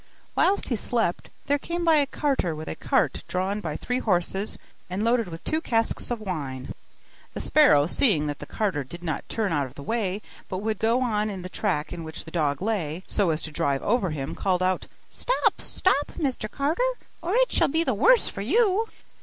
Whilst he slept, there came by a carter with a cart drawn by three horses, and loaded with two casks of wine. The sparrow, seeing that the carter did not turn out of the way, but would go on in the track in which the dog lay, so as to drive over him, called out, 'Stop! stop! Mr Carter, or it shall be the worse for you.